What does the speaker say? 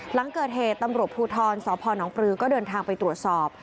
หลังเกิดเหตุตำรวจภูทรสพนปลือก็เดินทางไปตรวจสอบ